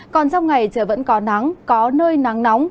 còn trong ngày trời vẫn có nắng có nơi nắng nóng